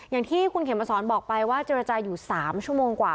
อย่างที่คุณเขมสอนบอกไปว่าเจรจาอยู่๓ชั่วโมงกว่า